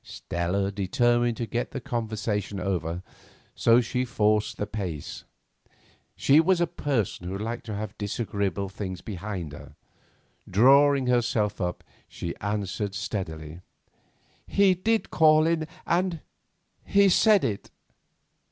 Stella determined to get the conversation over, so she forced the pace. She was a person who liked to have disagreeable things behind her. Drawing herself up, she answered steadily: "He did call in, and—he said it."